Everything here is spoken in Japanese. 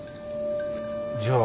じゃあ。